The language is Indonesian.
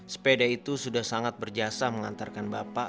sepeda itu sudah sangat berjasa mengantarkan bapak